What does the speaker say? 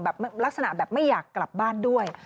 ลักษณะแบบไม่อยากกลับบ้านด้วย